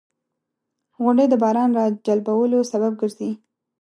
• غونډۍ د باران راجلبولو سبب ګرځي.